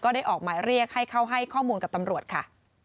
ได้ออกหมายเรียกให้เข้าให้ข้อมูลกับตำรวจค่ะ